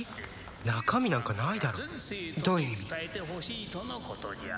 中身なんかないだろどういう意味？